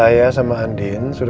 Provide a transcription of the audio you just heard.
tidak ada yang bisa dikira